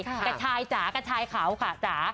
กระชายจ๋ากระชายเขาค่ะจ๋า